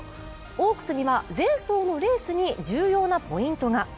オークスには前走のレースに重要なポイントが。